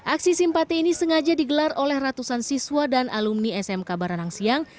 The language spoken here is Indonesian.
aksi simpati ini sengaja digelar oleh ratusan siswa dan alumni smk baranang siang